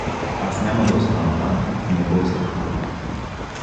Аз няма да остана там, не бой се.